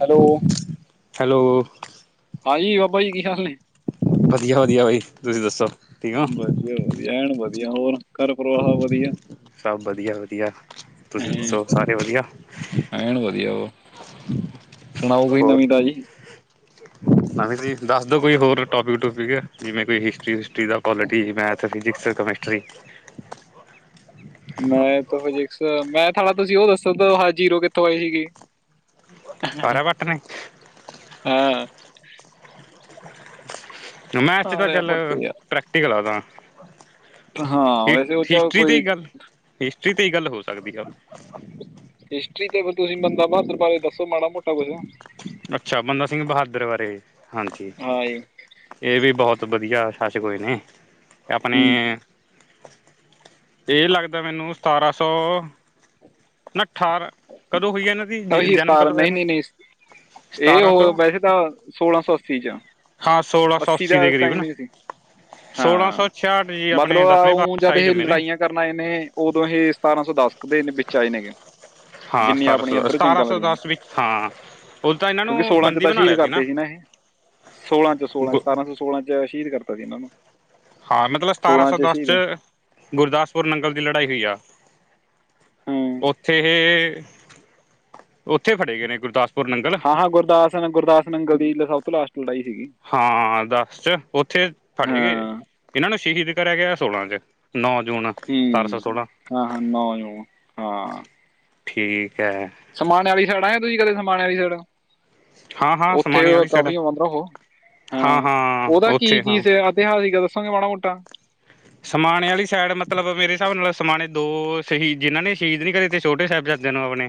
Hello. Hello ਹਾਂਜੀ ਬਾਬਾ ਜੀ, ਕੀ ਹਾਲ ਨੇ? ਵਧੀਆ-ਵਧੀਆ ਬਾਈ, ਤੁਸੀਂ ਦੱਸੋ, ਠੀਕ ਓੰ? ਵਧੀ, ਵਧੀਆ ਐਣ ਵਧੀਆ, ਹੋਰ? ਘਰ ਪਰਿਵਾਰ ਸਭ ਵਧੀਆ ਸਭ ਵਧੀਆ-ਵਧੀਆ, ਤੁਸੀਂ ਦੱਸੋ, ਸਾਰੇ ਵਧੀਆ? ਐਐਨ ਵਧੀਆ ਵਾ, ਸੁਣਾਓ ਕੋਈ ਹੋਰ ਨਵੀਂ-ਤਾਜ਼ੀ? ਨਵੀਂ ਕੋਈ ਦੱਸਦੋ ਕੋਈ ਹੋਰ, ਟੋਪਿਕ-ਟੂਪਿਕ ਜਿਵੇਂ ਕੋਈ ਹਿਸਟਰੀ? ਹਿਸਟਰੀ ਦਾ quality, math, physics, chemistry. Math physics, math ਆਲਾ ਤੁਸੀਂ ਉਹ ਦੱਸੋ, ਹ ਜੀਰੋ ਕਿੱਥੋਂ ਆਈ ਸੀਗੀ? ਸਾਰਾ ਵੱਟ ਨੇ ਹਾ ਮੈਥ'ਚ ਤਾ ਆਰਿਆ ਚੱਲ, ਭੱਟੇ ਪ੍ਰੈਕਟੀਕਲ ਆਦਾ। ਹਾਂ ਵੈਸੇ ਉਹ ਚ ਹਿਸਟਰੀ ਤੇ ਕੋਈ ਹੀ ਗੱਲ, ਹਿਸਟਰੀ ਤੇ ਹੀ ਗੱਲ ਹੋ ਸਕਦੀ ਆ‌। ਹਿਸਟਰੀ ਤੇ ਫਿਰ ਤੁਸੀਂ ਬੰਦਾ ਬਹਾਦਰ ਬਾਰੇ ਦੱਸੋ, ਮਾੜਾ-ਮੋਟਾ ਕੁਛ? ਅੱਛਾ, ਬੰਦਾ ਸਿੰਘ ਬਹਾਦਰ ਬਾਰੇ, ਹਾਂਜੀ। ਇਹ ਵੀ ਬਹੁਤ ਬਧੀਆ ਸਾਸ਼ਕ ਹੋਏ ਨੇ, ਆਪਣੇ ਹਮ ਇਹ ਲੱਗਦਾ ਮੈਨੂੰ ਸਤਾਰਾਂ-ਸੌ ਨਾ ਅਠਾਰ, ਕਦੋਂ ਹੋਈ ਹੈ ਇਹਨਾਂ ਦੀ, ਉਹੀ ਜਨਮ ਸਤਾਰਾਂ ਕਦੋਂ ਹੋਇਆ ਨਹੀਂ ਇਹਨਾਂ ਦਾ? ਨਹੀਂ ਨਹੀਂ ਇਹ ਸਤਾਰਾਂ ਸੌ ਓਹ ਵੈਸੇ ਤਾਂ, ਸੋਲਾਂ ਸੌ ਅੱਸੀ'ਚ ਆ, ਹਾਂ ਸੋਲਾਂ ਸੌ ਅੱਸੀ ਦਾ ਦੇ ਕਰੀਬ ਨਾ ਟਾਈਮਿੰਗ ਸੀ। ਸੋਲਾਂ ਹਾਂ, ਸੌ ਛਿਆਹਠ ਜੀ ਮਤਲਬ ਆਪਣੇ ਆ, ਦਸਵੇਂ ਉੰ ਜਦ ਪਾਤਸ਼ਾਹੀ ਇਹ ਜੰਮੇ ਨੇ ਲੜਾਈਆਂ ਕਰਨ ਆਏ ਨੇ, ਉਦੋਂ ਇਹ ਸਤਾਰਾਂ-ਸੌ ਦੱਸ ਕ ਦੇ ਵਿੱਚ ਆਏ ਨੇਗੇ। ਹਾਂ ਜਿੰਨੀਆਂ ਸਤਾਰਾਂ ਆਪਣੀਆਂ ਸੌ, ਇੱਧਰ ਸਤਾਰਾਂ ਜੰਗਾਂ ਸੌ ਲੜੀਆਂ ਨੇ ਦਸ ਵਿੱਚ, ਹਾਂ। ਉਦੋਂ ਤਾਂ ਇਹਨਾਂ ਨੂੰ ਕਿਉਂਕਿ ਸੋਲਾਂ'ਚ ਬੰਦੀ ਤਾਂ ਬਣਾ ਸ਼ਹੀਦ ਲਿਆ ਕਰਤੇ ਸੀ ਨਾ ਇਹ, ਸੋਲਾਂ'ਚ, ਸੋਲਾਂ'ਚ, ਗੁ ਸਤਾਰਾਂ ਸੌ ਸੋਲਾਂ'ਚ ਸ਼ਹੀਦ ਕਰਤਾ ਸੀ ਇਹਨਾਂ ਨੂੰ। ਹਾਂ, ਮਤਲਬ ਸਤਾਰਾਂ ਸੋਲਾਂ ਸੌ ਦੱਸ ਸ਼ਹੀਦ 'ਚ, ਗੁਰਦਾਸਪੁਰ ਨੰਗਲ ਦੀ ਲੜਾਈ ਹੋਈ ਆ। ਹੂੰ ਉੱਥੇ ਇਹ, ਉੱਥੇ ਫੜੇ ਗਏ ਨੇ ਗੁਰਦਾਸ ਹਾਂ-ਹਾਂ, ਗੁਰਦਾਸ, ਗੁਰਦਾਸ ਨੰਗਲ ਦੀ ਸਭ ਤੋਂ ਲਾਸਟ ਲੜਾਈ ਸੀਗੀ। ਹਾਂ, ਦੱਸ'ਚ ਉੱਥੇ ਫੜੇ ਗਏ। ਹਾਂ ਇਹਨਾਂ ਨੂੰ ਸ਼ਹੀਦ ਕਰਿਆ ਗਿਆ, ਸੋਲਾਂ'ਚ ਨੌ ਜੂਨ। ਸਤਾਰਾਂ ਸੌ ਹੂੰ ਸੋਲਾਂ ਹਾਂ ਆਈ ਨੋ ਯੂ ਹਾਂ। ਠੀਕ ਐ। ਸਮਾਨਣੇ ਵਾਲੀ ਸੈਡ ਆਏ ਤੁਸੀਂ ਕਦੇ ਸਮਾਨਣੇ ਵਾਲੀ ਸੈਡ ਹਾਂ-ਹਾਂ ਓੱਥੇ ਸਮਾਣੇ ਵਾਲੀ ਸਾਈਡ ਕਾਫੀ ਆਂਦਾ ਓ ਹਾਂ ਹਾਂ-ਹਾਂ ਉਹਦਾ ਉੱਥੇ ਕੀ-ਕੀ ਹਾਂ ਫੇਰ ਐਤਿਹਾਸਿਕ ਦੱਸਾਗੇ ਮਾੜਾ-ਮੋਟਾ। ਸਮਾਨੇ ਵਾਲੀ ਸਾਈਡ ਮਤਲਬ ਮੇਰੇ ਹਿਸਾਬ ਨਾਲ ਸਮਾਨੇ ਦੋ ਸ਼ਹੀਦ ਜਿਨਾਂ ਨੇ ਸ਼ਹੀਦ ਵੀ ਕਰੇ ਤੇ ਛੋਟੇ ਸਾਹਿਬਜ਼ਾਦਿਆਂ ਨੂੰ ਆਪਣੇ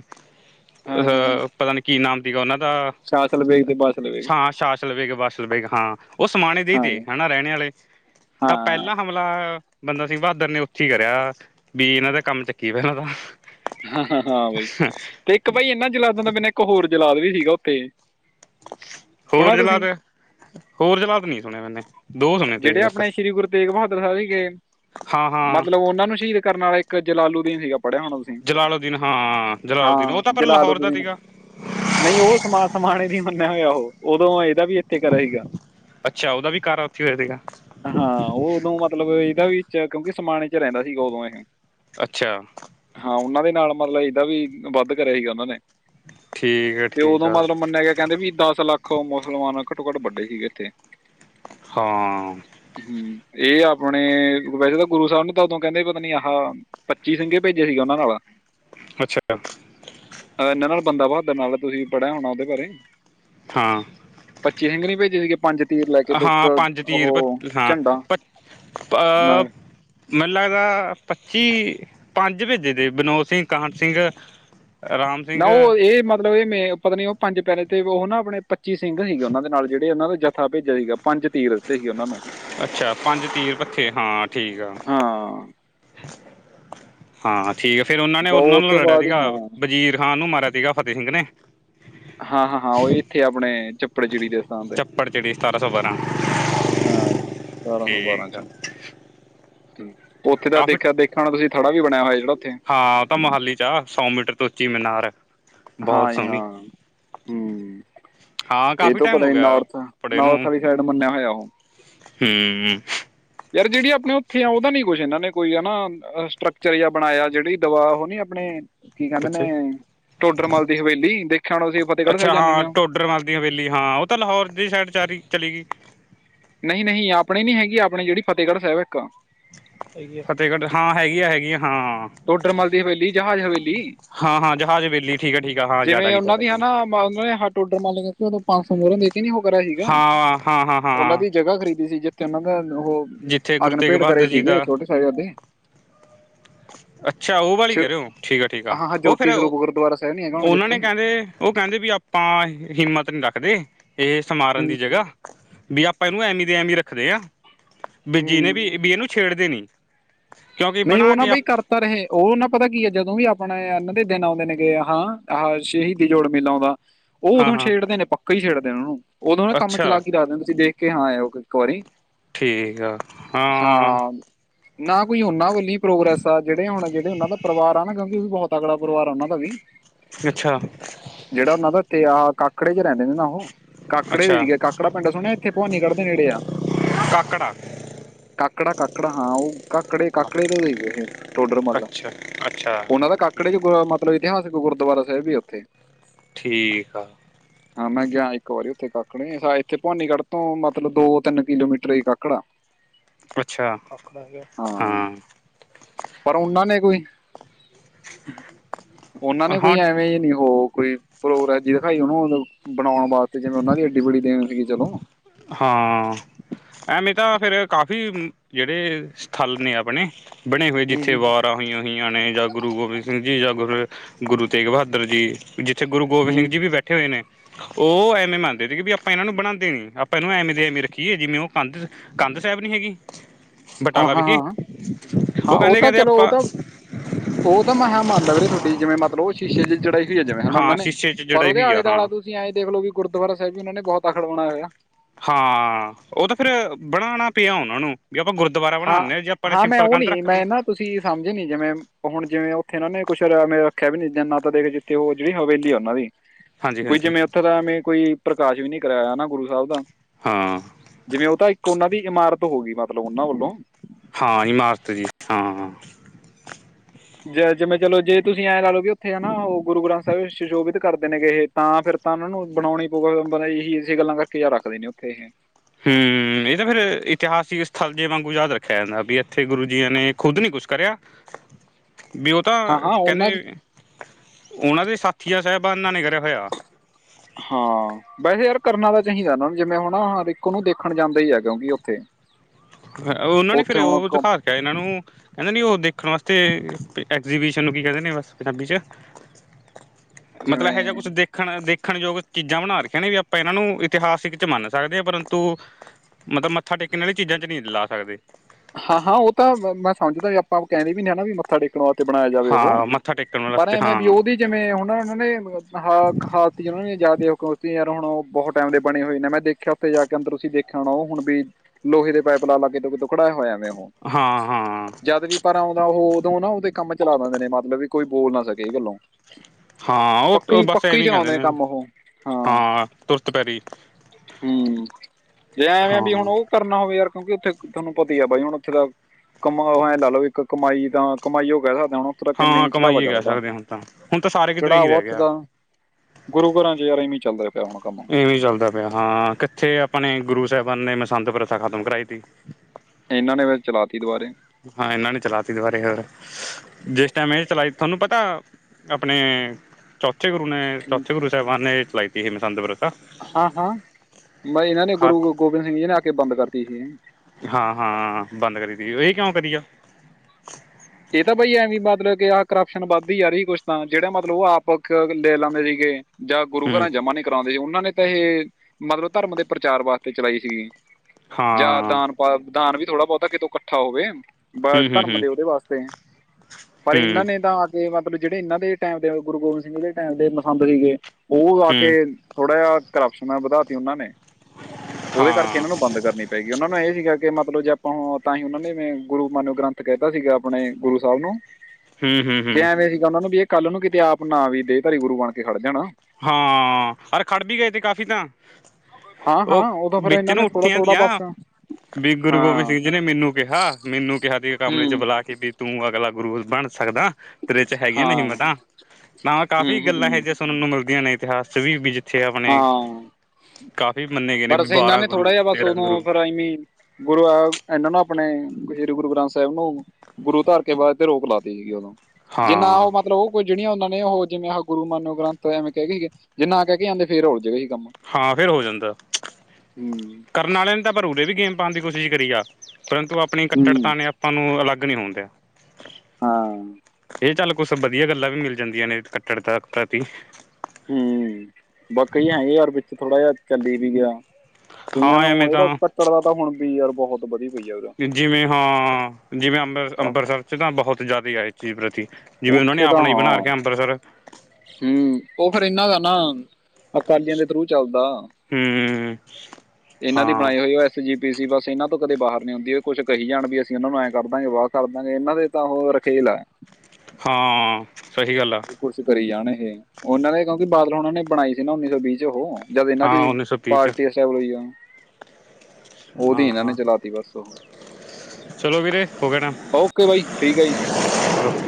ਹਾਂ ਹਾਂ ਹਾਂ। ਅ ਪਤਾ ਨੀ ਕੀ ਨਾਮ ਸੀਗਾ ਓਨਾਂ ਦਾ। ਸ਼ਾਸਲ ਵੇਗ [unintelligible] ਹਾਂ ਸ਼ਾਸਲਵੇੇਗ-ਵਾਸ਼ਲਬੇਗ ਹਾਂ ਓ ਸਮਾਣੇ ਦੇ ਹਾਂ ਤੇ ਹੈਨਾ ਰੈਣੇ ਵਾਲੇ ਹਾਂ। ਪੈਲਾ ਹਮਲਾ ਬੰਦਾ ਸਿੰਘ ਬਹਾਦਰ ਨੇ ਓਥੇ ਹੀ ਕਰਿਆ ਵੀ ਏਨਾਂ ਦਾ ਕੰਮ ਚੱਕੀਏ ਪੈਲਾ ਤਾ ਹਾਂ-ਹਾਂ ਬਈ ਤੇ ਇੱਕ ਬਾਈ ਏਨਾਂ ਜਲਾਦਾਂ ਦਾ ਬਿਨ ਇੱਕ ਹੋਰ ਜਲਾਦ ਵੀ ਸੀਗਾ ਓਥੇ। ਹੋਰ ਜਲਾਦ ਐ ਹੋਰ ਜਲਾਦ ਨੀ ਸੁਣੇ ਮੈਨੇ ਦੋ ਸੁਣੇ ਤੇ ਜਿਹੜੇ ਬਸ। ਆਪਣੇ ਸ੍ਰੀ ਗੁਰੂ ਤੇਗ ਬਹਾਦਰ ਸਾਹਿਬ ਸੀਗੇ ਹਾਂ-ਹਾਂ ਮਤਲਬ ਨਾ ਨੂੰ ਸ਼ਹੀਦ ਕਰਨ ਵਾਲਾ ਇੱਕ ਜਲਾਲੂਦੀਨ ਸੀਗਾ ਪੜ੍ਹਿਆ ਹੋਣਾ ਤੁਸੀਂ। ਜਲਾਲੂਦੀਨ ਹਾਂ ਜਲਾਲੂਦੀਨ ਹਾਂ ਓ ਤਾਂ ਪਰ ਲਾਹੌਰ ਦਾ ਜਲਾਲੂਦੀਨ ਸੀਗਾ। ਨਹੀਂ ਓ ਸਮਾ ਸਮਾਾਨੇ ਦੀ ਮੰਨਿਆ ਗਯਾ ਓ ਉਦੋਂ ਏਦਾ ਵੀ ਇੱਥੇ ਕਰੇ ਸੀਗਾ। ਅੱਛਾ ਓਦਾ ਵੀ ਕਾਰਾ ਉੱਥੇ ਹੋਯਾ ਸੀਗਾ। ਹਾਂ ਉਦੋਂ ਮਤਲਬ ਏਦਾ ਵੀ ਕਿਉਂਕਿ ਸਮਾਨਣੇ ਚ ਰੈਂਦਾ ਸੀਗਾ ਓਦੋਂ ਏਹ। ਅੱਛਾ। ਹਾਂ ਓਨਾਂ ਦੇ ਨਾਲ ਮਤਲਬ ਏਦਾਂ ਵੀ ਵੱਧ ਕਰਿਆ ਸੀਗਾ ਓਨਾਂ ਨੇ ਠੀਕ ਆ ਤੇ ਠੀਕ ਓਦੋਂ ਆ ਮਤਲਬ ਮੰਨਿਆ ਗਯਾ ਕੈੰਦੇ ਵੀ ਦੱਸ ਲੱਖ ਮੁਸਲਮਾਨ ਘੱਟੋ-ਘੱਟ ਵੱਡੇ ਸੀਗੇ ਐਥੇ। ਹਾਂ। ਹੂੰ ਏ ਆਪਣੇ ਵੈਸੇ ਤਾਂ ਗੁਰੂ ਸੈਬ ਨੂੰ ਤਾਂ ਓਦੋਂ ਕੈੰਦੇ ਪਤਾ ਨੀ ਆਹ ਪੱਚੀ ਸਿੰਘ ਪੇਜੇ ਸੀਗੇ ਓਨਾਂ ਨਾਲਾ। ਆ ਛੱਡ ਆ ਏਨਾਂ ਨਾਲ ਬੰਦਾ ਬਹਾਦਰ ਨਾਲ ਤੁਸੀਂ ਪੜ੍ਹਿਆ ਹੋਣਾ ਓਦੇ ਬਾਰੇ ਹਾਂ। ਪੱਚੀ ਸਿੰਗ ਨੀ ਪੇਜੇ ਸੀਗੇ ਪੰਜ ਤੀਰ ਲੈ ਕੇ ਤੇ ਇੱਕ ਹਾਂ ਪੰਜ ਓਹ ਝੰਡਾ ਪਾਪ ਨਾਲ ਮੈਨੂੰ ਲੱਗਦਾ ਪੱਚੀ ਪੰਜ ਪੇਜੇ ਦੇ ਵਿਨੋਦ ਸਿੰਘ, ਕਾਹਣ ਸਿੰਘ ਰਾਮ ਸਿੰਘ ਨਾ ਓ ਇਹ ਮਤਲਬ ਏ ਪਤਾ ਨੀ ਓ ਪੰਜ ਪੈਣੇ ਤੇ ਓ ਨਾ ਆਪਣੇ-‍- ਪੱਚੀ ਸਿੰਘ ਸੀਗੇ। ਓਨਾਂ ਦੇ ਨਾਲ ਜੇੜੇ ਓਨਾਂ ਦੇ ਜੱਥਾ ਪੇਜਿਆ ਸੀਗਾ। ਪੰਜ ਤੀਰ ਦਿੱਤੇ ਸੀ ਓਨਾਂ ਨੂੰ ਅੱਛਾ ਪੰਜ ਤੀਰ ਭੱਥੇ ਹਾਂ ਠੀਕ ਆ ਹਾਂ ਹਾਂ ਠੀਕ ਫੇਰ ਓਨਾਂ ਨੇ ਓਨਾਂ ਬਹੁਤ ਨੂੰ ਤੋਂ ਰਗੜਿਆ ਬਾਅਦ ਹੀ ਸੀਗਾ, ਹਾਂ ਵਜ਼ੀਰ ਖਾਨ ਨੂੰ ਮਾਰਿਆ ਸੀਗਾ ਫਤਿਹ ਸਿੰਘ ਨੇ। ਹਾਂ-ਹਾਂ-ਹਾਂ। ਓ ਇੱਥੇ ਆਪਣੇ ਚੱਪੜ ਝਿੜੀ ਦੇ ਸਾੱਬੇ ਚੱਪੜ ਚਿੜੀ ਸਤਾਰਾਂ ਸੌ ਬਾਰਾਂ ਸਤਾਰਾਂ ਸੌ ਬਾਰਾਂ ਠੀਕ ਆ ਚੋਂ ਓਥੇ ਤਾਂ ਕਾਫੀ ਦੇਖਿਆ ਦੇਖਿਆਣਾ ਤੁਸੀਂ, ਥੜਾ ਵੀ ਬਣਿਆ ਹੋਇਆ ਜੜਾ ਓਥੇ ਹਾਂ। ਓ ਤਾਂ ਮੋਹਾਲੀ ਚ ਆ, ਸੌ ਮੀਟਰ ਤੋਂ ਉੱਚੀ ਮਿਨਾਰ ਹਾਂ ਜੀ ਹਾਂ ਹੂੰ ਹਾਂ ਏ ਕਾਫੀ ਤੋਂ ਟਾਈਮ ਪਤਾ ਹੋ ਨੀ ਗਿਆ ਨੌਰਥ, ਪੜੇ ਨੌਰਥ ਨੂੰ ਵਾਲੀ ਸਾਈਡ ਮੰਨਿਆ ਹੋਇਆ ਓਹ ਹੂੰ। ਯਾਰ ਜੇੜੀ ਆਪਣੇ ਓਥੇ ਆ, ਓਦਾ ਨੀ ਕੁਛ ਏਨਾ ਨੇ ਕੋਈ ਹਨਾ ਸਟਰਕਚਰ ਜਾਂ ਬਣਾਇਆ। ਜੇੜੀ ਦਵਾ ਓ ਨੀ ਅਪਣੇ ਕੀ ਕੈੰਦੇ ਕਿੱਥੇ ਨੇ ਟੋਡਰ ਮਲ ਦੀ ਹਵੇਲੀ ਦੇਖਿਆ ਹੋਣੇ ਓ। ਤੁਸੀਂ ਫਤਿਹਗੜ੍ਹ ਸਾਹਿਬ ਅੱਛਾ ਜਾਂਣੇ ਹੁੰਣੇ ਹਾਂ ਓ। ਟੋਡਰਮਲ ਹਵੇਲੀ ਹਾਂ, ਓ ਤਾਂ ਲਾਹੌਰ ਦੀ ਸਾਈਡ ਚਾਰੀ ਚਲੀਗੀ। ਨਹੀਂ-ਨਹੀਂ ਆਪਣੇ ਨੀ ਹੈਗੀ, ਆਪਣੇ ਜਿਹੜੀ ਫਤਿਹਗੜ੍ਹ ਸਾਹਿਬ ਇੱਕ ਆ ਹੈ। ਫਤਿਹਗੜ੍ਹ ਹਾਂ, ਹੈਗੀਆਂ-ਹੈਗੀਆਂ ਹਾਂ। ਟੋਡਰ ਮਲ ਦੀ ਹਵੇਲੀ, ਜਹਾਜ਼ ਹਵੇਲੀ। ਹਾਂ ਹਾਂ ਜਹਾਜ਼ ਹਵੇਲੀ ਠੀਕ ਆ ਠੀਕ ਆ ਹਾਂ ਯਾਦ ਆ ਜਿਵੇਂ ਗਈ ਉਹਨਾਂ ਯਾਦ ਆ ਦੀ ਹਨ ਗਈ ਨਾ ਉਹ ਨੇ ਹੱ ਟੋਡਰ ਮਨ ਉਦੋਂ ਪੰਜ ਸੌ ਮੋਰਾਂ ਦੇ ਕੇ ਨੀ, ਉਹ ਕਰਾ ਹੀਗਾ। ਹਾਂ ਹਾਂ ਹਾਂ ਉਹਨਾਂ ਹਾਂ ਦੀ ਜਗ੍ਹਾ ਖਰੀਦੀ ਸੀ। ਜਿੱਥੇ ਉਹਨਾਂ ਨੇ ਉਹ ਜਿੱਥੇ ਗੁਰੂ ਅਗਨ ਤੇਗ ਭੇਟ ਕਰੇ ਬਹਾਦਰ ਜੀ ਸੀਗੇ, ਦਾ ਛੋਟੇ ਸਾਹਿਬਜ਼ਾਦੇ ਉਹਦੇ ਅੱਛਾ। ਉਹ ਵਾਲੀ ਛ ਕਹਿ ਰਹੇ ਓ। ਠੀਕ ਆ, ਠੀਕ ਆ ਹਾਂ ਹਾਂ ਉਹ ਫੇਰ ਜੋਤੀ ਸਰੂਪ ਗੁਰਦੁਆਰਾ ਸਾਹਿਬ ਨੀ ਹੈਗਾ ਹੁਣ ਉਹਨਾਂ ਨੇ ਜਿੱਥੇ ਕੈਂਦੇ ਉਹ ਕਹਿੰਦੇ ਵੀ ਆਪਾਂ ਹਿੰਮਤ ਨ ਰੱਖਦੇ, ਇਹ ਸਮਾਰਨ ਹੂੰ ਦੀ ਜਗ੍ਹਾ ਵੀ ਆਪਾਂ ਇਹਨੂੰ ਐਵਂ ਦੇ ਐਮੀਂ ਰੱਖਦੇ ਆ, ਬ ਜੀਹਨੇ ਹੂੰ ਵੀ ਵੀ ਇਹਨੂੰ ਛੇੜਦੇ ਨੀ। ਕਿਉਂਕਿ ਨਹੀਂ, ਉਹ ਬਣਾ ਨਾ ਕੇ ਬਈ ਕਰ ਤਾਂ ਰਹੇ ਉਹ ਨਾ ਪਤਾ ਕੀ ਐ? ਜਦੋਂ ਵੀ ਆਪਣੇ ਆਨਾਂ ਦੇ ਦਿਨ ਆਉਂਦੇ ਨੇਗੇ ਹਾਂ। ਆਹ ਸ਼ਹੀਦ ਦੀ ਜੋੜ ਮੇਲਾ ਆਉਂਦਾ। ਉਹ ਹਾਂ ਉਦੋਂ ਹਾਂ ਛੇੜਦੇ ਨੇ ਪੱਕਾ ਹੀ ਛੇੜਦੇ ਨੇ, ਉਹ ਉਦੋਂ ਨਾ ਕੰਮ ਅੱਛਾ ਚਲਾ ਕੇ ਰੱਖਦੇ। ਤੁਸੀਂ ਦੇਖ ਕਿ ਹਾਂ, ਉਹ ਕੋਰੀ ਠੀਕ ਆ। ਹਾਂ। ਨਾ ਕੋਈ ਉਹਨਾਂ ਵੀ ਪ੍ਰੋਗੈਸ ਆ, ਜਿਹੜੇ ਹੁਣ ਜਿਹੜੇ ਉਹਨਾਂ ਦਾ ਪਰਿਵਾਰ ਆ ਨਾ, ਕਿਉਂਕਿ ਉਹ ਵੀ ਬੋਤ ਤਕੜਾ ਪਰਿਵਾਰ ਆ ਉਹਨਾਂ ਦਾ ਵੀ। ਅੱਛਾ। ਜਿਹੜਾ ਉਹਨਾ ਦਾ ਤੇ ਆ ਕਾਕੜੇ ਚ ਰਹਿੰਦੇ ਨੇ ਨਾ ਉਹ। ਅੱਛਾ ਕਾਕੜੇ ਸੀਗੇ। ਕਾਕੜਾ ਪਿੰਡ ਸੁਣਿਆ, ਇਥੇ ਭਵਾਨੀ ਗੜ ਦੇ ਨੇੜੇ ਆ। ਕਾਕੜਾ ਕਾਕੜਾ- ਕਾਕੜ, ਹਾਂ। ਉਹ ਕਾਕੜੇ- ਕਾਕੜਾ ਕਾਕੜੇ ਦੇ ਸੀਗੇ। ਟੋਡਰ ਮੱਲ ਅੱਛਾ ਅੱਛਾ ਉਹਨਾਂ ਦਾ ਕਾਕੜੇ ਚ ਠੀਕ ਮਤਬ ਇਤਿਹਾਸਕ ਗੁਰਦੁਆਰਾ ਸਾਹਿਬ ਹੀ ਉੱਥੇ। ਠੀਕ ਆ। ਹਾਂ। ਮੈਂ ਗਿਆ ਇੱਕ ਵਾਰੀ ਉੱਥੇ ਕਾਕੜ ਇੱਥੇ, ਭਵਾਨੀਗੜ੍ਹ ਤੋਂ ਮਤਲਬ ਦੋ-ਤਿੰਨ ਕਿਲੋਮੀਟਰ ਹੀ ਕਾੱਕੜਾ। ਅੱਛਾ, ਹਾਂ। ਪਰ ਉਹਨਾਂ ਨੇ ਕੋਈ, ਉਹਨਾਂ ਨੇ ਹਾਂ ਕੋਈ ਐਵੇਂ ਨਹੀਂ ਹੋ ਕੋਈ ਪ੍ਰੋਗਰੈਸ ਦਿਖਾਈ, ਉਹਨੂੰਬ ਬਣਾਉਣ ਵਾਸਤੇ ਜਿਵੇਂ ਉਹਨਾਂ ਦੀ ਅੱਡੀ ਵੜੀ ਦੇਣ ਸੀਗੀ ਚਲੋ। ਹਾਂ। ਐਵੇਂ ਤਾਂ ਫੇਰ ਕਾਫੀ, ਜਿਹੜੇ ਸਥਲ ਨੇ ਆਪਣੇ। ਬਣੇ ਹੋਏ। ਜਿੱਥੇ ਹੂੰ ਵਾਰਾਂ ਹੋਈਆਂ। ਹੋਈਆਂ ਨੇ, ਜਾਂ ਗੁਰੂ ਗੋਬਿੰਦ ਸਿੰਘ ਜੀ ਜਾਂ ਗੁਰ ਗੁਰੂ ਤੇਗ ਬਹਾਦਰ ਜੀ। ਜਿੱਥੇ ਗੁਰੂ ਗੋਬਿੰਦ ਸਿੰਘ ਹੂੰ ਜੀ ਵੀ ਬੈਠੇ ਹੋਏ ਨੇ। ਉਹ ਐਵੇਂ ਮੰਨਦੇ ਸੀਗੇ, ਵੀ ਆਪਾਂ ਇਹਨਾਂ ਨੂੰ ਬਣਾਦੇ ਨੀ। ਐਵੇਂ ਦੇ ਐਵੇਂ ਰੱਖੀ ਏ। ਜਿਵੇਂ ਉਹ ਕੰਧ ਕੰਧ ਸਾਹਿਬ ਨਹੀਂ ਹੈਗੀ ਹਾਂ, ਬਟਾਲਾ ਹਾਂ, ਵਿਖੇ ਹਾਂ। ਹਾਂ, ਉਹ ਕਹਿੰਦੇ ਤਾਂ ਕਹਿੰਦੇ ਚਲੋ ਉਹ ਆਪਾਂ ਤਾਂ ਉਹ ਤਾਂ ਮੈਂ ਕਿਹਾ ਮੰਨਦਾ ਵੀਰੇ, ਤੁਹਾਡੀ ਜਿਵੇਂ ਮਤਲਬ ਉਹ ਸ਼ੀਸ਼ੇ ਜ ਜੜਾਈ ਹੋਈ ਐ, ਜਿਵੇਂ ਹਨਾ ਉਹਨਾਂ ਨੇ। ਜੜਾਈ ਹੋਈ ਆ। ਦੇਖ ਹਾਂ। ਲੋ ਤੁਸੀਂ ਵੀਐ ਦੇਖਲੋ ਵੀ ਗੁਰਦੁਆ ਸਾਹਿਬ ਵੀ ਉਹਨਾਂ ਨੇ ਬੋਤ ਤਕੜਾ ਬਣਾਇਆ ਹੋਇਆ ਹਾਂ ਉਹ ਤਾਂ ਫੇਰ ਬਣਾਣਾ ਪਿਆ ਉਹਨਾਂ ਨੂੰ ਵੀ ਆਪਾਂ ਗੁਰਦੁਆਰਾ ਬਣਾਦੇ ਹਾਂ ਜੇ ਆਪਾਂ ਨੇ ਮੈਂ ਸਿੰਪਲ ਉਹ ਕੰਧ ਨਹੀਂ ਰੱਖਤੀ ਮੈਂ ਨਾ ਤੁਸੀਂ ਸਮਝੇ ਨੀ ਜਿਵੇਂ ਉਹ ਹੁਣ ਜਿਵੇਂ ਉੱਥੇ ਇਹਨਾਂ ਨੇ ਕੁਛ ਮ ਰੱਖਿਆ ਵੀ ਨੀ ਨਾ ਤਾਂ ਦੇਖ ਜਿੱਥੇ ਉਹ ਜਿਹੜੀ ਹਵੇਲੀ ਆ ਉਹਨਾਂ ਦੀ ਹਾਂਜੀ ਕੋਈ ਹਾਂਜੀ ਜਿਵੇਂ ਉੱਥੇ ਦਾਵੇਂ ਕੋਈ ਪ੍ਰਕਾਸ਼ ਵੀ ਨੀ ਕਰਾਇਆ ਨਾ ਗੁਰੂ ਸਾਹਿਬ ਦਾ ਹਾਂ ਜਿਵੇਂ ਉਹ ਤਾਂ ਇੱਕ ਉਹਨਾਂ ਦੀ ਇਮਾਰਤ ਹੋ ਗਈ ਮਤਲਬ ਉਹਨਾਂ ਵੱਲੋਂ ਹਾਂ ਇਮਾਰਤ ਜੀ ਹਾਂ ਹਾਂ ਜ ਜਿਵੇਂ ਚਲੋ ਜੇ ਤੁਸੀਂ ਐਂ ਲਾਲੋ ਕਿ ਉੱਥੇ ਹਨਾ ਉਹ ਗੁਰੂ ਗ੍ਰੰਥ ਸਾਹਿਬ ਸੁਸ਼ੋਬਿਤ ਕਰਦੇ ਨੇ ਤਾਂ ਫਿਰ ਤਾਂ ਉਹਨਾਂ ਨੂੰ ਬਣਾਉਣੀ ਪਊਗਾ ਬੰਦਾ ਇਹੀ ਇਸੀੇ ਗੱਲਾਂ ਕਰਕੇ ਜਿਆਦਾ ਰੱਖਦੇ ਨੇ ਉੱਥੇ ਇਹੇ ਹੂੰ, ਇਹ ਤਾਂ ਫੇਰ ਇਤਿਹਾਸਿਕ ਸਥਲ ਜੇ ਵਾਂਗੂ ਯਾਦ ਰੱਖਿਆ ਜਾਂਦਾ ਵੀ ਇੱਥੇ ਗੁਰੂ ਜੀ ਨੇ ਖੁੱਦ ਨੀ ਕੁੱਛ ਕਰਿਆ। ਵੀ ਉਥੇ ਹਾਂ ਤਾਂ ਹਾਂ ਉਹਨਾਂ ਦੀ ਕਹਿੰਦੇ, ਉਹਨਾਂ ਦੇ ਸਾਥੀਆਂ ਸਾਹਿਬਾਨ ਨੇ ਕਰਿਆ ਹੋਇਆ। ਹਾਂ, ਵੈਸੇ ਯਾਰ ਕਰਨਾ ਤਾਂ ਚਾਹੀਦਾ ਇਹਨਾਂ ਨੂੰ ਜਿਵੇਂ ਹਣਾ ਹਰ ਇੱਕ ਉਹਨੂੰ ਦੇਖਣ ਜਾਂਦਾ ਈ ਐ ਕਿਉਂਕਿ ਉੱਥੇ ਉਹਨਾਂ ਨੇ ਫੇਰ ਉੱਥੇ ਹੁਣ ਉਹ ਦਿਖਾ ਕ ਇਹਨਾਂ ਨੂੰ ਉਹ ਦੇਖਣ ਵਾਸਤੇ, ਐਗਜੀਬਿਸ਼ਨ ਨੂੰ ਕੀ ਕਹਿੰਦੇ ਨੇ ਬ ਪੰਜਾਬੀ ਚ ਮਤਲਬ ਇਹ ਜਿਹਾ ਕਿਵੇਂ ਕੁੱਛ ਦੇਖ ਦੇਖਣ ਦੇਖਣਯੋਗ ਚੀਜ਼ਾਂ ਬਣਾ ਰੱਖਿਆ ਨੇ ਵੀ ਆਪਾਂ ਇਹਨਾਂ ਨੂੰ ਇਤਿਹਾਸਿਕ ਚ ਮੰਨ ਸਕਦੇ ਆ ਪਰੰਤੂ ਮਤਲਬ ਮੱਥਾ ਟੇਕਣ ਆਲੀ ਚੀਜ਼ਾਂ ਚ ਨੀ ਲਾ ਸਕਦੇ। ਹਾਂ-ਹਾਂ ਉਹ ਤਾਂ ਮੈਂ ਸਮਝਦਾ ਵੀ ਆਪਾਂ ਕਹਿੰਦੇ ਵੀ ਐ ਵੀ ਮੱਥਾ ਟੇਕਣ ਵਾਸਤੇ ਬਣਾਇਆ ਜਾਵੇ ਉਹੋ, ਹਾਂ ਮੱਥਾ ਟੇਕਣ ਪਰ ਵਾਸਤੇ ਐਵੇਂ ਹਾਂ ਵੀ ਉਹਦੀ ਜਿਵੇਂ ਹੁਣ ਉਹਨਾਂ ਨੇ ਹ ਹਾਥ ਉਹਨਾਂ ਨੇ ਜ਼ਿਆਦ ਹੁਕੂਮਤੀ ਯਾਰ ਹੁਣ ਉਹ ਬਹੁਤ ਟੈਮ ਦੇ ਬਣੇ ਹੋਏ ਨੇ ਮੈਂ ਦੇਖਿਆ। ਉੱਥੇ ਜਾ ਕੇ ਅੰਦਰ ਤੁਸੀਂ ਦੇਖਿਆ ਹੋਣਾ ਉਹ ਹੁਣ ਵੀ ਲੋਹੇ ਦੇ ਪਾਈਪ ਲਾ ਲਾਗੇ ਤੋਂ ਕਿਤੇ ਖੜਾਇਆ ਹੋਇਆ। ਹਾਂ ਹਾਂ ਜਦ ਵੀ ਪਰ ਔਦਾ ਉਹ ਉਦੋਂ ਨਾ ਉਹਦੇ ਕੰਮ ਚਲਾ ਦਿੰਦੇ ਨੇ ਮਤਲਬ ਵੀ ਕੋਈ ਬੋਲ ਨਾ ਸਕੇ ਇਹ ਗੱਲੋਂ ਹਾਂ ਉਹ ਪੱਕੀ ਬਸ ਪੱਕੇ ਐਵੇਂ ਕਹਿੰਦੇ ਚਲਾਉਂਦੇ ਨੇ ਕੰਮ ਉਹ ਹਾਂ। ਤੁਰਤ ਪੈਰੀ ਹੂੰ, ਜੇ ਐਵੇਂ ਹਾਂ ਵੀ ਹੁਣ ਉਹ ਕਰਨਾ ਹੋਵੇ ਯਾਰ ਕਿਉਂਕਿ ਉੱਥੇ ਤੁਹਾਨੂੰ ਪਤੀ ਆ ਬਾਈ ਹੁਣ ਉੱਥੇ ਦਾ, ਕਮਾ ਐ ਲਾ ਲਓ ਇੱਕ ਕਮਾਈ ਤਾਂ ਕਮਾਈ ਈ ਓ ਕਹਿ ਸਕਦਾ ਆ ਹੁਣ ਕਿ ਹਾਂ ਨਹੀਂ ਚੜਾਵਾ ਕਮਾਈਏ ਕਹਿ ਚੜ੍ਹਦਾ, ਸਕਦੇ ਹੁਣ ਤਾਂ ਹੁਣ ਤਾਂ ਸਾਰੇ ਕਿਧਰੇ ਹੀ ਚੜਾਵਾ ਰਹਿ ਉੱਥੇ ਗਿਆ ਦਾ ਗੁਰੂ ਘਰਾਂ ਚ ਯਾਰ ਐਵੀ ਚੱਲ ਪਿਆ ਹੁਣ ਕੰਮ ਇਵੇਂ ਚੱਲਦਾ ਪਿਆ ਹਾਂ, ਕਿੱਥੇ ਆਪਣੇ ਗੁਰੂ ਸਾਹਿਬਾਨ ਨੇ ਮਸੰਤ ਪ੍ਰਥਾ ਖ਼ਤਮ ਕਰਵਾਈ ਤੀ। ਇਨਾਂ ਨੇ ਚਲਾ ਤੀ ਦੁਬਾਰੇ। ਹਾਂ ਇਹਨਾਂ ਨੇ ਚਲਾ ਤੀ ਦੁਬਾਰੇ ਹੋਰ, ਜਿਸ ਟਾਈਮ ਇਹ ਚਲਾਈ ਥੋਨੂੰ ਪਤਾ ਆਪਣੇ, ਚੌਥੇ ਗੁਰੂ ਨੇ ਚੌਥੇ ਗੁਰੂ ਸਾਹਿਬਾਨ ਨੇ ਚਲਾਈ ਤੀ ਮਸੰਦ ਪ੍ਰਥਾ, ਹਾਂ-ਹਾਂ, ਬਸ ਇਹਨਾਂ ਨੇ ਖਾ ਗੁਰੂ ਗੋਬਿੰਦ ਸਿੰਘ ਜੀ ਨੇ ਆ ਕੇ ਬੰਦ ਕਰਤੀ ਸੀ ਹੈ। ਹਾਂ ਹਾਂ ਬੰਦ ਕਰੀ ਤੀ ਇਹ ਕਿਉਂ ਕਰੀ ਆ। ਇਹ ਤਾਂ ਬਾਈ ਐਵੇਂ ਮਤਲਬ ਕਿ ਆਹ ਕਰਪਸ਼ਨ ਵੱਧਦੀ ਜਾ ਰੀ ਕੁਛ ਤਾਂ ਜਿਹੜਾ ਮਤਲਬ ਉਹ ਆਪ ਔਖੇ ਹੋਕੇ ਲੈ ਲੈਂਂਦੇ ਸੀਗੇ। ਜਾਂ ਗੁਰੂ ਹੂੰ ਘਰਾਂ ਜਮਾ ਨੀ ਕਰਾਉਂਦੇ ਸੀ, ਉਹਨਾਂ ਨੇ ਤਾਂ ਇਹ ਮਤਲਬ ਧਰਮ ਦੇ ਪ੍ਰਚਾਰ ਵਾਸਤੇ ਚਲਾਈ ਸੀਗੀ। ਜਾਂ ਹਾਂ ਦਾਨ ਪਾ ਦਾਨ ਵੀ ਥੋੜ੍ਹਾ ਬੋਤਾ ਕਿਤੋਂ ਇਕੱਠਾ ਹੋਵੇ ਬ ਹੂੰ ਹੂੰ ਧਰਮ ਹੂੰ ਦੇ ਉਹਦੇ ਵਾਸਤੇ ਪਰ ਇਹਨਾਂ ਹੂੰ ਨੇ ਤਾਂ ਮਤਲਬ ਜਿਹੜੇ ਇਹਨਾਂ ਦੇ ਟਾਈਮ ਦੇ ਗੁਰੂ ਗੋਬਿੰਦ ਸਿੰਘ ਜੀ ਦੇ ਟੈਮ ਦੇ ਮਸੰਦ ਸੀਗੇ ਉਹ ਆ ਕੇ ਹੂੰ ਥੋੜ੍ਹਾ ਜਿਹਾ ਕਰਪਸ਼ਨ ਵਧਾ ਤੀ ਉਹਨਾਂ ਨੇ, ਉਹਦੇ ਕਰਕੇ ਹਾਂ ਇਹਨਾਂ ਨੂੰ ਬੰਦ ਕਰਨੀ ਪ ਪੈਗੀ ਉਹਨਾਂ ਨੂੰ ਇਹ ਸੀਗਾ ਕਿ ਮਤਲਬ ਜੇ ਆਪਾਂ ਹੁਣ ਤਾਂ ਹੀ ਉਹਨਾਂ ਨੇ ਵੀ ਗੁਰੂ ਮਨੋ ਗ੍ਰੰਥ ਕਹਿਤਾ ਸੀਗਾ। ਆਪਣੇ ਗੁਰੂ ਸਾਹਿਬ ਨੂੰ, ਹੂੰ ਹੂੰ ਕਿ ਹੂੰ ਐਵੇਂ ਸੀਗਾ ਉਹਨਾਂ ਨੂੰ ਵੀ ਇੱਕ ਕੱਲ ਨੂੰ ਕਿਤੇ ਆਪ ਨਾ ਵੀ ਦੇ ਤਾਰੀ ਗੁਰੂ ਬਣ ਕੇ ਖੜ ਜਾਣ। ਹਾਂ ਅਰ ਖੜ ਵੀ ਗਏ ਤੇ ਕਾਫ਼ੀ ਤਾਂ। ਹਾਂ ਉਹ ਹਾਂ ਉਦੋਂ ਫਿਰ ਵਿੱਚ ਇਹਨਾਂ ਨੇ ਨੂੰ ਥੋੜਾ ਉੱਠੀਆਂ ਥੋੜਾ ਤੀਆ। ਬਸ ਵੀ ਗੁਰੂ ਗੋਬਿੰਦ ਹਾਂ ਸਿੰਘ ਜੀ ਨੇ ਮੈਨੂੰ ਕਿਹਾ ਮੈਨੂੰ ਕਿਹਾ ਤ ਕਮਰੇ ਚ ਹੂੰ ਬੁਲਾ ਕੇ ਵੀ ਤੂੰ ਅਗਲਾ ਗੁਰੂ ਬਣ ਸਕਦਾ ਤੇਰੇ ਚ ਹੈਗੀਆਂ, ਹਾਂ ਨਹੀਂਮਤਾਂ ਤਾ ਕਾਫ਼ੀ ਹੂੰ ਹੂੰ, ਗੱਲਾਂ ਇਹ ਹੂੰ ਜੀਆ ਸੁਣਨ ਨੂੰ ਮ ਨੇ ਇਤਿਹਾਸ ਵੀ ਜਿੱਥੇ ਆਪਣੇ ਹਾਂ ਕਾਫੀ ਮੰਨੇ ਗਏ ਨੇ ਵੀ ਬਾਰਾਂ ਗੁਰੂ ਤੇਰਾਂ ਗੁਰੂ ਤਾਈਮੀਨ ਗੁਰੂ ਐ ਇਹਨਾਂ ਨੂੰ ਆਪਣੇ ਸ਼੍ਰੀ ਗੁਰੂ ਗ੍ਰੰਥ ਸਾਹਿਬ ਨੂੰ ਗੁਰੂ ਧਾਰ ਕੇ ਬਾਦ ਤੇ ਰੋਕ ਲਾਤੀ ਸੀਗੀ ਓਦੋਂ ਜੇਨਾ ਓ ਹਾਂ ਮਤਲ ਹੈਲੋ ਓ ਜੇੜੀਆਂ ਉਹਨਾਂ ਨੇ ਓ ਜਿਵੇਂ ਆ ਗੁਰੂ ਮਾਨਿਓ ਨੋ ਗੰਥ ਐਵੇਂ ਕਹਿ ਗੇ ਜਿੰਨਾ ਕਹਿ ਕੇ ਆਂਦੇ ਫੇਰ ਹੋ ਓ ਜਗਹਾ ਕੰਮ ਹਾਂ ਫਿਰ ਹੋ ਜਾਂਦਾ। ਹੂੰ ਕਰਨ ਆਲੇ ਨੇ ਤਾਂ ਪਰ ਉਰੇ ਵੀ ਗੇਮ ਪਾਣ ਦੀ ਕੋਸ਼ਿਸ਼ ਕਰੀ ਆ ਪਰੰਤੂ ਆਪਣੀ ਹੂੰ ਕੱੜਤਾ ਨੇ ਤਾਨੂੰ ਅਲੱਗ ਨੀ ਹੋਣ ਦਿਆਂ। ਹਾਂ ਇਹ ਚੱਲ ਕੁੱਛ ਵਧੀਆ ਗੱਲਾਂ ਵੀ ਮਿਲ ਜਾਂਦੀਆਂ ਨੇ ਕੱਟੜਤਾ ਪ੍ਰਤੀ ਹੂੰ ਬਾਕੀ ਹੈ ਯਾਰ ਵਿੱਚ ਥੋੜਾ ਜਿਹਾ ਚੱਲੀ ਵੀ ਗਿਆ। ਹਾਂ ਕਈਆਂ ਨੂੰ ਐਵੇਂ ਹੁਣ ਇਹਦਾ ਤਾਂ ਕੱਟੜ ਦਾ ਤਾਂ ਹੁਣ ਵੀ ਯਾਰ ਬਹੁਤ ਵਧੀ ਪਈ ਆ। ਉਹਦਾ ਜਿਵੇਂ ਹਾਂ ਜਿਵੇਂ ਅੰਬ ਅੰਬਰਸਰ 'ਚ ਤਾਂ ਬਹੁਤ ਜ ਜਾਦਾ ਆ ਇਸ ਚੀਜ਼ ਪ੍ਰਤੀ ਜਿਵੇਂ ਉਹਨਾਂ ਉੱਥੇ ਤਾਂ ਆਪਣਾ ਈ ਹਾਂ ਬਣਾ ਰੱਖਿਆ ਅੰਬਰਸਰ ਹੂੰ ਓ ਫਿਰ ਇਹਨਾਂ ਦਾ ਨਾ ਅਕਾਲੀਆਂ ਦੇ ਥਰੂ ਚੱਲਦਾ ਹੂੰ ਇਹਨਾਂ ਦੀ ਹਾਂ ਬਣਾਈ ਹੋਈ ਏ। ਜੀ ਪੀ ਸੀ ਬਸ ਇਹਨਾਂ ਤੋਂ ਕਦੇ ਬਾਰ ਨੀ ਆਉਂਦੀ ਕੁਛ ਕਹੀ ਜਾਣ ਵੀ ਅਸੀਂ ਇਹਨਾਂ ਨੂੰ ਐਂ ਕਰ ਦਾਂਗੇ ਵਾਹ ਕਰ ਦਾਂਗੇ ਇਹਨਾਂ ਦੇ ਤਾਂ ਹੋਰ ਖੇਲਾ ਹਾਂ ਸਹੀ ਗੱਲ ਆ। ਇਹ ਕੁਝ ਕਰੀ ਜਾਣ ਇਹ ਉਹਨਾਂ ਨੇ ਕਿਉਂਕਿ ਬਾਦਲ ਉਹਨਾਂ ਨੇ ਬਣਾਈ ਸੀ ਨਾ ਉੱਨੀ ਸੌ ਵੀਹ 'ਚ ਉਹ ਜਦ ਇਹਨਾਂ ਹਾਂ ਦੀ ਉੱਨੀ ਸੌ ਵੀਹ 'ਚ ਪਾਰਟੀ ਐਸਬਲ ਹੋਈ ਆ। ਉਹਦੀ ਇਹਨਾਂ ਨੇ ਹਾਂ ਚਲਾ ਬਸ ਓ ਚਲੋ ਵੀਰੇ ਹੋ ਗਿਆ ਟਾਈਮ ਓਕੇ ਬਾਈ ਠੀਕ ਹੈ ਜੀ। ਓਕੇ